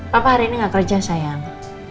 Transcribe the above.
papa hari ini gak kerja sayang